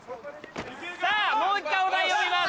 さぁもう一回お題を言います。